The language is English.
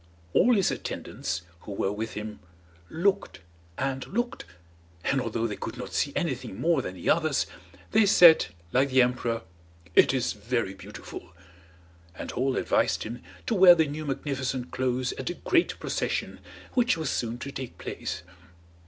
All his attendants, who were with him, looked and looked, and although they could not see anything more than the others, they said, like the emperor, "It is very beautiful." And all advised him to wear the new magnificent clothes at a great procession which was soon to take place.